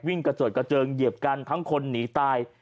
กระเจิดกระเจิงเหยียบกันทั้งคนหนีตาย